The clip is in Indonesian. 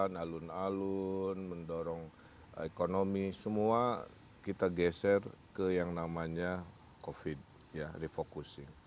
membangun alun alun mendorong ekonomi semua kita geser ke yang namanya covid ya refocusing